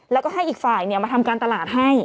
แล้วก็ให้อีกฝ่ายมาทำการตลาดให้